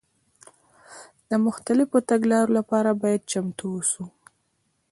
د مختلفو تګلارو لپاره باید چمتو واوسو.